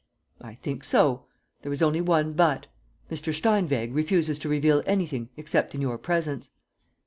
"I think so. There is only one 'but': Mr. Steinweg refuses to reveal anything, except in your presence."